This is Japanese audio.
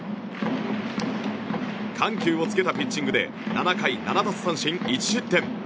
緩急をつけたピッチングで７回７奪三振１失点。